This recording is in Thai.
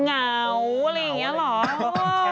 เหงาอะไรอย่างนี้เหรอ